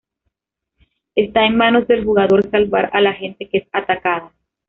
Está en manos del jugador salvar a la gente que es atacada.